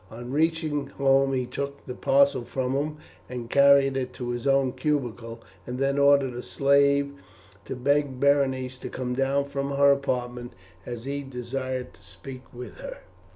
On reaching home he took the parcel from him, and carried it to his own cubicule, and then ordered a slave to beg Berenice to come down from her apartment as he desired to speak with her.